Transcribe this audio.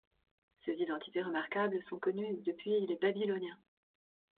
Ces identités remarquables sont connues depuis les Babyloniens.